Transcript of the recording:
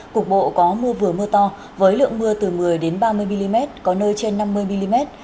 cục bộ có mưa vừa mưa to với lượng mưa từ một mươi ba mươi mm có nơi trên năm mươi mm